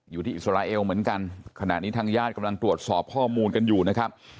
อิสราเอลเหมือนกันขณะนี้ทางญาติกำลังตรวจสอบข้อมูลกันอยู่นะครับ